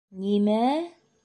— Нимә-ә-ә?!